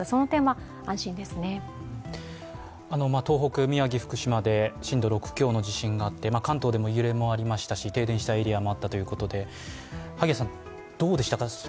東北、宮城、福島で震度６強の地震があって関東でも揺れもありましたし停電したエリアもあったということでどうでしたか？